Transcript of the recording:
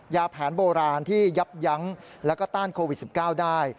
ยาแผนโบราณที่ยับยั้งแล้วก็ต้านโควิด๑๙ได้